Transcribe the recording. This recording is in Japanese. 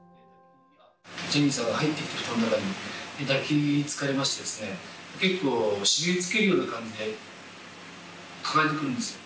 ジャニーさんが入ってきて、布団の中に、抱きつかれまして、結構、締めつけるような感じで抱えてくるんです。